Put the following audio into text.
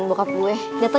oke gue pasti dateng